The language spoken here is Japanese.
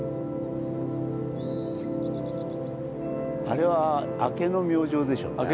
あれは明けの明星でしょうね。